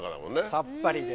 さっぱりで。